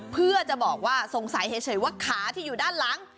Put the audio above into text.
เพื่อจะบอกว่าสงสัยเฉยว่าขาที่อยู่ด้านหลัง